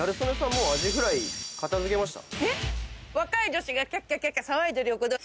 もうアジフライ片付けました。